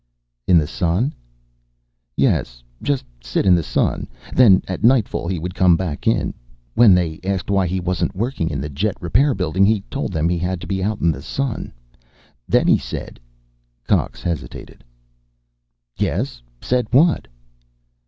"In the sun?" "Yes. Just sit in the sun. Then at nightfall he would come back in. When they asked why he wasn't working in the jet repair building he told them he had to be out in the sun. Then he said " Cox hesitated. "Yes? Said what?"